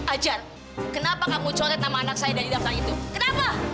ajar kenapa kamu coret nama anak saya dari daftar itu kenapa